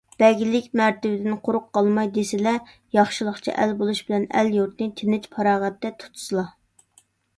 بەگلىك مەرتىۋىدىن قۇرۇق قالماي دېسىلە، ياخشىلىقچە ئەل بولۇش بىلەن ئەل - يۇرتنى تىنچ - پاراغەتتە تۇتسىلا!